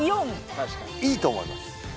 確かにいいと思います